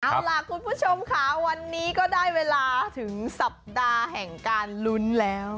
เอาล่ะคุณผู้ชมค่ะวันนี้ก็ได้เวลาถึงสัปดาห์แห่งการลุ้นแล้ว